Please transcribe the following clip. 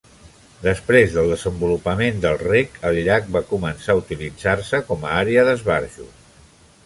Després del desenvolupament del reg, el llac va començar a utilitzar-se com a àrea d'esbarjo.